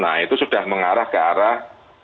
nah itu sudah mengarah ke arah